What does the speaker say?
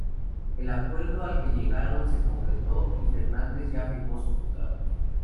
El acuerdo al que llegaron se concretó y Fernández ya firmó su contrato.